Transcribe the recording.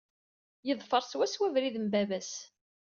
Yeḍfeṛ swaswa abrid n baba-s.